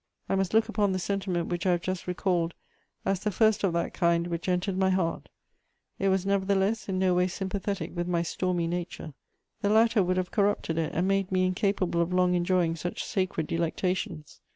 I must look upon the sentiment which I have just recalled as the first of that kind which entered my heart; it was nevertheless in no way sympathetic with my stormy nature: the latter would have corrupted it and made me incapable of long enjoying such sacred delectations.